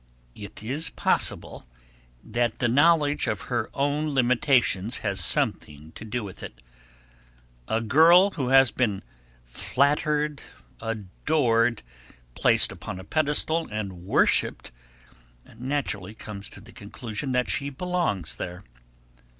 It is possible that the knowledge of her own limitations has something to do with it. A girl who has been flattered, adored, placed upon a pedestal and worshipped, naturally comes to the conclusion that she belongs there.